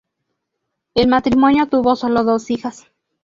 El matrimonio tuvo solo dos hijas.